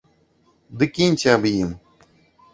Ды кіньце аб ім.